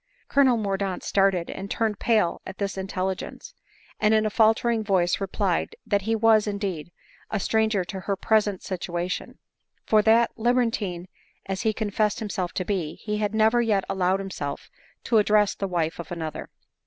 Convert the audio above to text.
Colonel Mordaunt started, and turned pale at this intel ligence ; and in a faltering voice replied, that he was, indeed, a stranger to her present situation ; for that, lib ertine as he confessed himself to be, he had never yet allowed himself to address the wife of another.